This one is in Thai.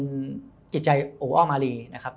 กิจใจโอ้อ้อมารีนะครับ